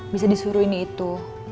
bisa disuruhin itu